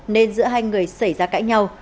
nên giữa hai người xảy ra cãi nhau